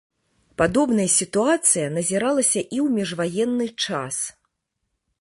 Падобная сітуацыя назіралася і ў міжваенны час.